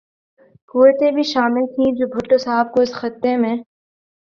قوتیں بھی شامل تھیں جو بھٹو صاحب کو اس خطے میں